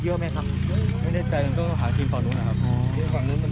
อ๋อทีมฝั่งนู้นมันกินเยอะ